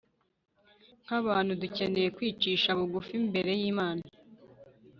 nk'abantu, dukeneye kwicisha bugufi imbere y'imana